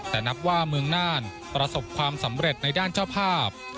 แต่นับว่าเมืองน่านประสบความสำเร็จในด้านเจ้าภาพ